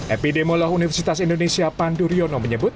epidemiolog universitas indonesia panduriono menyebut